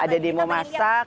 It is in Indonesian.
ada demo masak